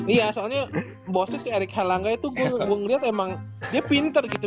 iya soalnya bosenya si eric helangga itu gua ngeliat emang dia pinter gitu